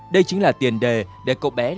đây chính là tiền đề để cậu bé lê đình khả